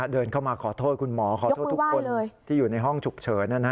เดินเข้ามาขอโทษคุณหมอขอโทษทุกคนที่อยู่ในห้องฉุกเฉิน